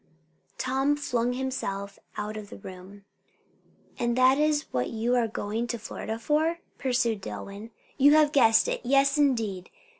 Tom flung himself out of the room. "And that is what you are going to Florida for?" pursued Dillwyn. "You have guessed it! Yes, indeed.